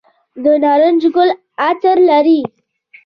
د نارنج ګل عطر لري؟